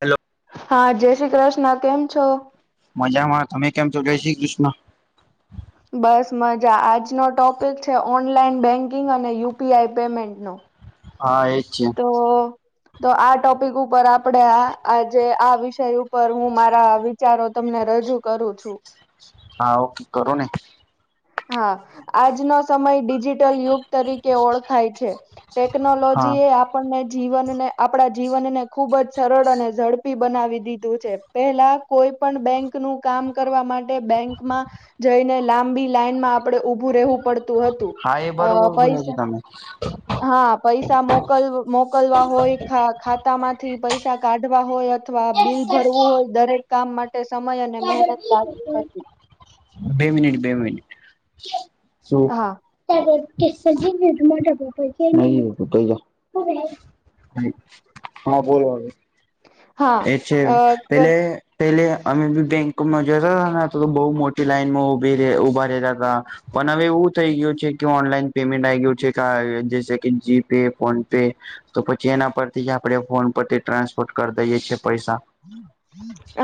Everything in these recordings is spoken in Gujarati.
હેલો. હા જય શ્રી કૃષ્ણ કેમ છો? મજામાં તમે કેમ છો? જય શ્રી કૃષ્ણ. બસ મજા આજનો ટોપિક છે, ઓનલાઈન બેંકિંગ અને યુપીઆઈ પેમેન્ટ નો. હા એજ છે. તો તો આ ટોપિક ઉપર આપડે આજે આ વિષય ઉપર હું મારા વિ ચારો તમને રજૂ કરું છું. હા ઓકે કરો ને. હા આજનો સમય ડિજિટલ યુગ તરીકે ઓળખાય છે. હા ટેક્નોલોજીએ એ આપ. આપણને જીવનને આપણા જીવન ને ખુબ જ સરળ અને ઝડપી બનાવી દીધું છે. પેહલા કોઈ પણ બેંક નું કામ કરવા માટે બેંકમાં જઈને લાંબી લાઈનમાં આપડે ઊભું રહેવું પડતું હતું હા એ અ બરોબર બોલ્યા છે પૈસા તમે. હા પૈસા મોકલ મોકલવા હોયા ખાતામાં થી પૈસા કાઢવા હોય અથવા બિલ ભરવું હોય દરેક કામ માટે સમય અને મહેનત લાગતી હતી. બે મિનિટ બે મિનિટ શ હા [unintelligible] હા બોલો હવે હા એ છે અ ક પેલે પેલે અમે બી બેંકોમાં જતા હતા તો તો બહુ મોટી લાઈન માં ઉભી રે ઉભા રહેતા તા પણ હવે એવું થઈ ગયું છે, કે ઓનલાઈન પેમેન્ટ આઈ ગયું છે કર જેસે કે જીપે ફોન પે તો પછી એના પરથી જ આપણે ફોન પરથી ટ્રાન્સપોર્ટ કરી દઈએ છીએ પૈસા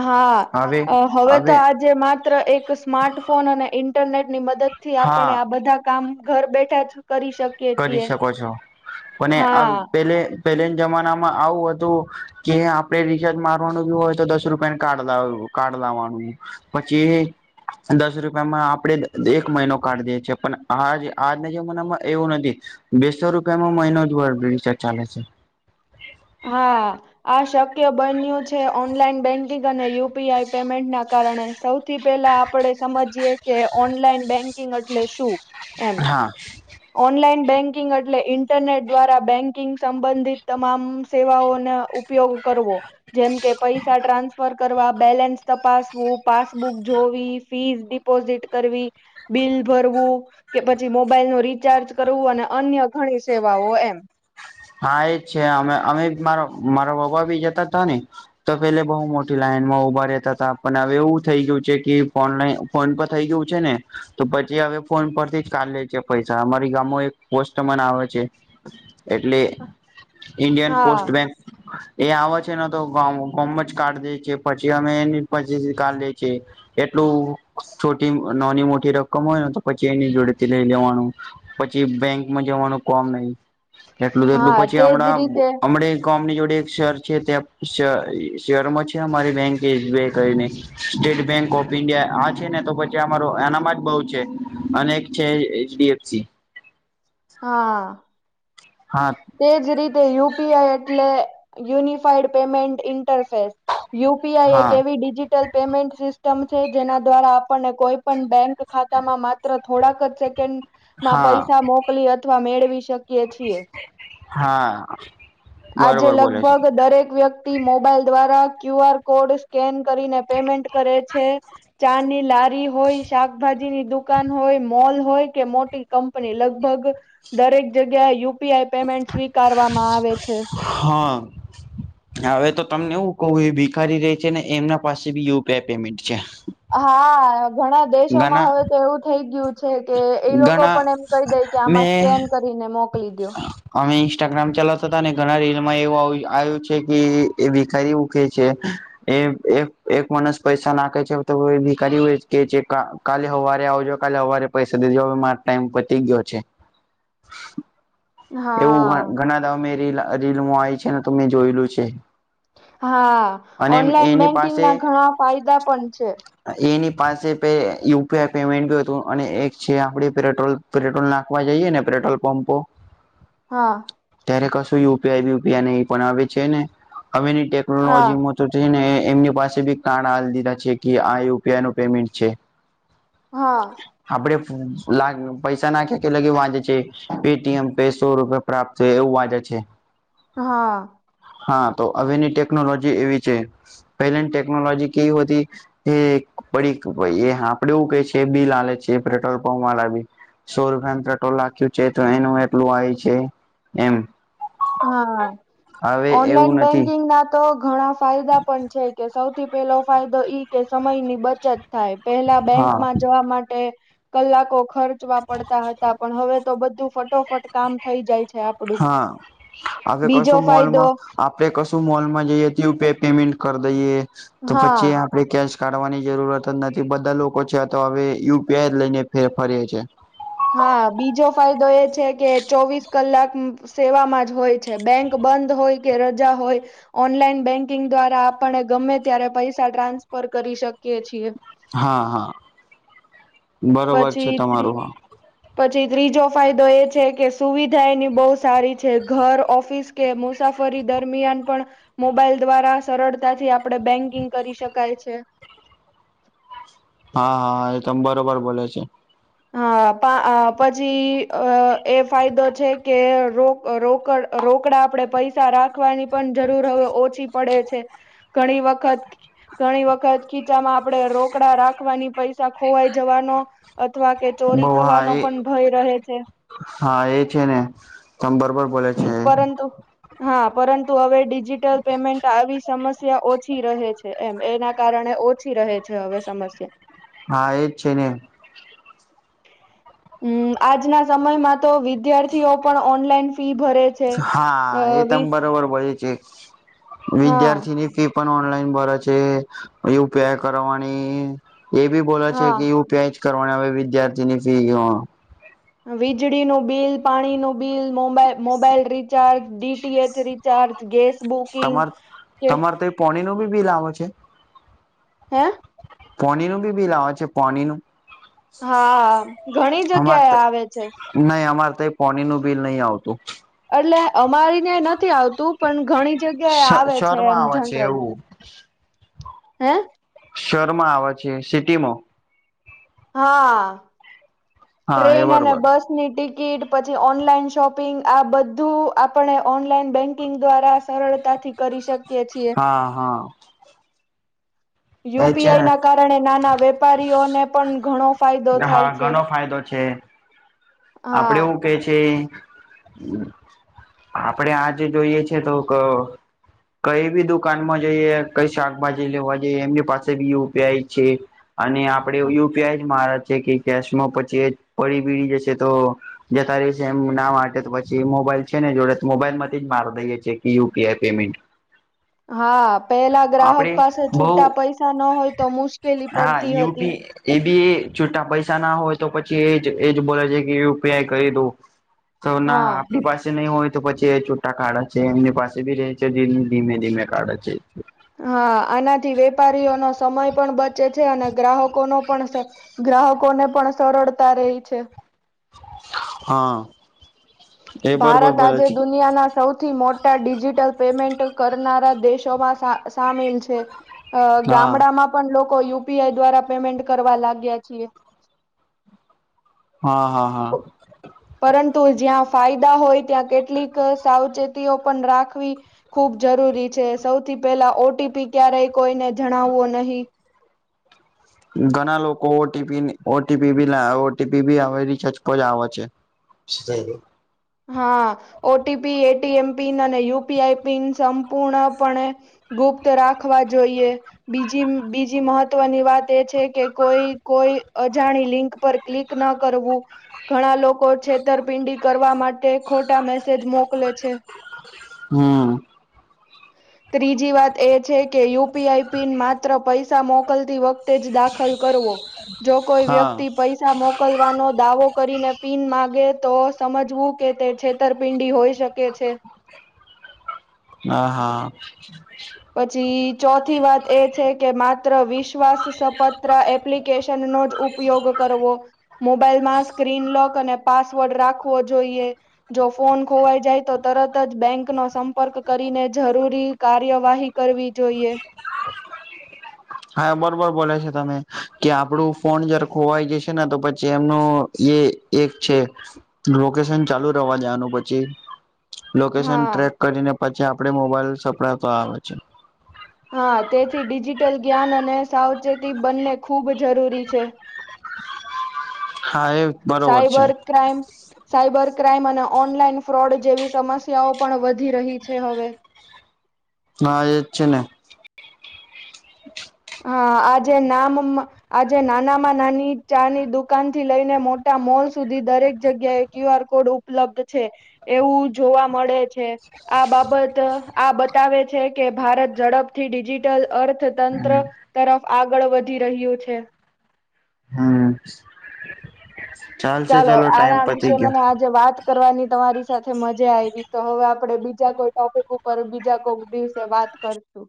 હા હવે તો આજ જે માત્ર એક સ્માર્ટફોન અને ઇન્ટરનેટની મદદથી હા આપણે આ બધા કામ ઘર બેઠા જ કરી શક કરી શકો છો અને અ હા પેલે પેલેને જમાનામાં આવું હતું કે આપડે રીચાર્જ મારવાનું બી હોય તો દસ રૂપિયા કાર્ડ લાવવું કાર્ડ લાવાનું પછી દસ રૂપિયામાં આપણેે એક મહિનો કાઢી દે છી પણ આજ આજના જમાનામાં એવું નથી બેસો રૂપિયામાં મહિનો જ બોડ બિસ્ટરચાલે છે. હા. આ શક્ય બન્યું છે ઓનલાઈન બેંકિંગ અને યુપીઆઈ પેમેન્ટ ના કારણે સૌથી પેલા આપડે સમજીએ કે ઓનલાઈન બેન્કિંગ અટલે શું? એમ હા. ઓનલાઈન બેંકિંગ અટલે ઇન્ટરનેટ દ્વારા બેંકિંગ સંબંધિત તમામ સેવાઓના ઉપ ઉપયોગ કરવો. જેમ કે પૈસા ટ્રાન્સફર કરવા બેલેન્સ તપાસવું પાસબુક જોવી ફીસ ડીપ પોઝીટ કરવી બિલ ભરવું કે પછી મોબાઈલનો રી રિચાર્જ કરવું અને અન્ય ઘણી સેવાઓ એમ. હા એજ છે અમે અમે મારા મારા પપ્પા બી જતા જ તા ને તો પેલે બહુ મોટી લાઈન માં ઉભા રહેતા હતા પણ હવે એવું થઈ ગયું છે, કે ઓનલાઈન ફોન પર થઈ ગયું છે ને તો પછી હવે ફોન પરથી જ કાઢ લે છે પૈસા અમારી ગામમાં એક પોસ્ટમેન આવે છે એટલે ઇન્ડિયન હા પોસ્ટ બેંક એ આવ છ ન તો ગોમ જ કાર્ડ દે છે પછી અમે એ પછી કાર્ડ લે છેએ એટલું છોટી નાની મોટી રકમ હોય ને તો પછી એની જોડે થી લઈ લેવાનું. પછી બેંકમાં જવાનું કોમ નહી એટલું દો એટલું હા પછી તેજ હમણાં રીતે હમણે ગોમ ની જોડે એક શેર છે ત્યાં શેરમાં છે અમારી બેંક એસ બીઆઈ કરીને. સ્ટેટ બેંક ઓફ ઈન્ડિયા આ છે ને તો પછી અમારો એનામાં જ બહું છે. અને છે એચડીએફસી. હા. હા. તે જ રીતે યુપી આઈ એટલે યુનિફાઈડ પેમેન્ટ ઇન્ટરફેર. યુપીઆઈ એક હા એવી ડિજિટલ પેમેન્ટ સિસ્ટમ છે, જેના દ્વારા આપણને કોઈ પણ બેંક ખામાં માત્ર થોડાક જ સેકન્ડ માં હા પૈસા મોકલી અ ત્વ મેળવી શકીએ છીએ. હા. આજે બરોબર બોલે છે લગભગ દરેક વ્યક્તિ મોબાઈલ દ્વારા ક્યુ આર કોડ સ્કેન કરીને પેમેન્ટ કરે છે, ચા ની લારી હોય શાકભાજી ની દુકાન હોય મોલ હોય કે મોટી કંપની લગભગ દરેક જગ્યા યુપીઆઈ પેમેન્ટ સ્વીકારવામાં આવે છે. હા. હવે તો તમને એવું કહુ એ ભિખારી રહી છે ને એમના પાસે બી યુપીઆઈ પેમેન્ટ છે. હા ઘણા દેશોમાં ઘણા હવે તો એવું થઈ ગયું છે કે એ લોકો ઘણા પણ એમ કહી દે કે આમાં મેં સ્કેન કરીને મોકલી દયો. અમે ઇન્સ્ટાગ્રામ ચાલાવતા તા ને ઘણા રીલમાં એવું આવ્યું છે, કે એ ભીખારી એવું કે છે. એ એક એક માણસ પૈસા નાખે છે તો ભીખારી ઓ જ કે છે કા કાલે હવારે આવજો કાલે હવારે પૈસા માર ટાઈમ પચી ગયો છે, હા એવું ઘણા દ મે રીલ રીલમાં આઈ છે ને તો મેં જોયેલું છે. હા અને ઓનલાઈન એની બેંકિંગ પાસે ના ઘણા ફાયદા પણ છે. એની પાસે pay U P I payment હતું અને જે આપણેે પેટ્રોલ પેટ્રોલ નાખવા જઈએ ને પેટ્રોલ પંપો હા. ત્યારે કશું યુ પી આઈ બુ પી આઈ નહી પણ આવે છે ને હવેની હા ટેકનોલોજીમાં તો જેને એમની પાસે કાર્ડ હાલ દીધા છે કે આ યુ પી આઈ નું પેમેન્ટ છે. હા. આપડે લા પૈસા નાખીએ કે લઈએ વાજેે છે. પે ટી એમ પે સો રૂપિયા પ્રાપ્ત એવું વાજે છે. હા. હા તો હવેની ટેકનોલોજી એવી છે પહેલાની ટેકનોલોજી કેવી હોતી એ પડી એ આપ આપડે એવું કે છે બિલ હાલે છે પેટ્રોલ પંપ વાળા બી. સો રુપિયાનું પેટ્રોલ લખ્યું છે તો એનું એટલું આયુ છે એમ. હા, હવે ઓનલાઈન એવું નથી બેંકિંગ ના તો ઘણા ફાયદા પણ છે કે સૌથી પેલો ફાયદો ઈ કે સમય ની બચત થાય. પહેલા હા બેંકમાં જવા માટે કલાકો ખર્ચવા પડતા હતા પણ હવે તો બધું ફટોફટ કામ થઈ જાય છે. આપડું હા આપે બીજો કશું ફાયદો મોલમાં આપડે કશું મોલમાં જઈએ તું તે પેમેન્ટ કરી દઈએ તો પછી આ હા આપણે કેશ કાઢવાની જરૂરત જ નથી. બધા લોકો છે તો હવે યુ પી આઈ જ લઈને ફેર ફરીએ છે. હા બીજો ફાયદો એ છે કે ચોવીસ કલાક સેવામાં જ હોય છે. બેંક બંધ હોય કે રજા હોય. ઓનલાઈન બેન્કિંગ દ્વારા આપણે ગમે ત્યારે પૈસા ટ્રાન્સફર કરી શકીએ છીએ. હા, હા. બરોબર છે પછી ત્રી તમારું હા પછી ત્રીજો ફાયદો એ છે કે સુવિધા એની બહુ સારી છે. ઘર, ઓફિસ કે મુસાફરી દરમિયાન પણ મોબાઈલ દ્વારા સરળતાથી આપણે બેન્કિંગ કરી શકાય છે. હા હા એ તમ બરોબર બોલે છે. હા પછી એ એ ફાયદો છે કે રો રોકડ રોકડા આપણેે પૈસા રાખવાની પણ જરૂર હવે ઓછી પડે છે. ઘણી વખત ઘણી વખત ખીચામાં આપણેે રોકડા રાખવાની પૈસા ખોવાઈ જવાનો અથવા કે ચોરી બઉ હા થવાનો એ પણ ભય રહે છે. હા એ છે ને તમ બરોબર બોલે છે પરંતુ હા પરંતુ હવે ડિજિટલ પેમેન્ટ આવીશ સમસ્યા ઓછી રહે છે એમ. એના કારણે ઓછી રહે છે હવે સમસ્યા. હા એ જ છે ને. હમ્મ, આજના સમયમાં તો વિદ્યાર્થીઓ પણ ઓનલાઈન ફી ભરે છે હા અ એ વી તમ બરોબર પડે છે. હા વિદ્યાર્થીની ફી પણ ઓનલાઈન ભરે છે. યુ પી આઈ કરવાની એ બી બોલે છે કે હા યુ પી આઈ જ કરવાના આવે વિદ્યાર્થી ની ફી અ વીજળીનુંબિલ, પાણી નું બિલ, મોબા mobile recharge, DTH recharge, gas booking તમાર કે તમારે તો એ પોણી નું બી બિલ આવે છે? હે? પાનીનું બી બીલ આવે છે પોનીનું? હા ઘણી જગ્યા એ આવે છે. નહી અમારે તો પાણી નું બિલ નહી આવતું. એટલે અમારી ન્યા નથી આવતું. પણ ઘણી જગ્યા એ આવે છે એમ, શહેરમાં આવે છે જનરલી. એવું હે? શહેરમાં આવે છે સિટી માં હા હા એ ટ્રેન અને બરોબર બસ. ની ટિકિટ પછી ઓનલાઈન શોપિંગ આ બધું આપણે ઓનલાઈન બેન્કિંગ દ્વારા. સરળતાથી કરી શકે. હા હા. એ છે યુપીઆઈ ના કારણે નાના વેપારીઓને પણ ઘણો ફાયદો ને હા થાય છે. ઘણો ફાયદો છે આપડે હા એવું કે છે. આપડે આજે જોઈએ છે તો. કઈ બી દુકાન માં જઈએ કઈ શાકભાજી લેવા જઈએ એમની પાસે બીપઈ છે. અને આપડે યુપીઆઈ જ મારા છે કે કેશમાં, પછી એ પડી બીડી જશે. [unintelligible] જે કરે છે, જેનું નામ આવે છે, પછી મોબાઈલ છે ને જોડે, તો મોબાઈલમાંથી જ માર દઈએે છે કે યુપીઆઈ પેમેન્ટ [unintelligible] હા, પેલા ગ્રાહક આપડે પાસે બઉ છુટા પૈસા ન હોય તો મુશ્કેલી હા પડતી હતી. યુપી એ બી છૂટા પૈસા ના હોય તો, પછી એજ એજ બોલે છે કે, યુપીઆઈ કરી દો. તેના હા આપ પાસે નહીં હોય. તો પછી એ છૂટા કાઢા છે, એમની પાસે ભી રે છે. ધીમે ધીમે કાઢા છે. હા, આનાથી વેપારીઓનો સમય પણ બચે છે અને ગ્રાહકોનો પણ. ગ્રાહકો ને પણ સરળતા રહી છે. હા. એ બરોબર ભારત બોલે આજે છે દુનિયા ના સૌથી સૌથી મોટા ડિજિટલ પેમેન્ટ કરનારા દેશોમાં સામેલ છે. અ હા ગામડામાં પણ લોકો યુપીઆઈ દ્વારા પેમેન્ટ કરવા લાગ્યા છીએ. હા હા હા. પરંતુ જ્યાં ફાયદા હોય ત્યાં કેટલીક સાવચેતીઓ પણ રાખવી. ખુબ જરૂરી છે, સૌથી પહેલા ઓટીપી ક્યારેય કોઈને જણાવવો નહીં. ઘણા લોકો ઓટીપી, ઓટીપી બી લ, ઓટીપી બી આવે છચપજ આવે છે. જઈ. હા, ઓટીપી, એટીએમ પિન અને યુપીઆઈ પિન સંપૂર્ણપણે. ગુપ્ત રાખવા જોઈએ. બીજી બીજી મહત્વની વાત એ છે કે, કોઈ કોઈ અજાણી લિંક પર ક્લિક ન કરવું, ઘણા લોકો છેતરપિંડી કરવા માટે. માટે ખોટા મેસેજ મોકલે છે. હમ. ત્રીજી વાત એ છે કે, યુપીઆઈ પિન માત્ર પૈસા મોકલતી વ જ દાખલ કરવો, જો કોઈ હા વ્યક્તિ પૈસા મોકલવાનો દાવો કરીને પિન માગે તો સમજવું કે તે છે. ઉત્તરપિંડી હોઈ શકે છે. હા હા. પછી ચોથી વાત એ છે કે, માત્ર વિશ્વાસ સપત્ર એપ્લિકેશન નો જ ઉપ ઉપયોગ કરવો. મોબાઈલ માં સ્ક્રીન લોક અને પાસવર્ડ રાખવો જોઈએ. જો ફોન ખોવાઈ જાય તો, તરત જ બેંક નો સંપર્ક કરીને જરૂરી કાર્ય. કાયવાહી કરવી જોઈએ. હા, બરોબર બોલે છે તમે કે, આપડું ફોન જયારે ખોવાઈ જશે ને, તો પછી એમનું એ થીક છે, લોકેશન ચાલુ રહેવા દેવાનું પછી લોકેશન હા ટ્રેક કરીને પછી આપડે મોબાઈલ સપડાતો આવે છે. હા, તેથી ડિજિટલ જ્ઞાન અને સાવચેતી બંને ખૂબ જરૂરી છે. હા, એમ. Cyber crime. સાઈબર ક્રાઈમ અને ઓનલાઈન ફ્રોડ જેવી સમસ્યાઓ પણ વધી રહી છે હવે. હા, એ જ છે ને. [unintelligible] હા, આ જે નામ આજે નાનામાં નાની ચા ની દુકાન થી લઈને મોટા મોલ સુધી, દરેક જગ્યાએ ક્યુ આર કોડ ઉપલબ્ધ છે, એવું જોવા મળે છે. આ બાબત આ બતાવે છે કે, ભારત ઝડપથી ડિજિટલ અર્થ તરફ આગળ વધી રહ્યું છે. હા. ચાલો, આના વિશે ગયો મને આજે વાત. કરવાની તમારી સાથે મજા આવી તો હવે આપડે બીજા કોઈ ટોપિક ઉપર બીજા કોઈ દિવસે વાત કરશું.